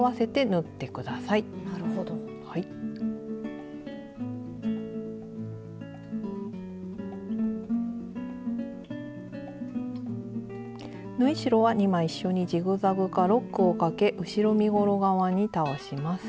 縫い代は２枚一緒にジグザグかロックをかけ後ろ身ごろ側に倒します。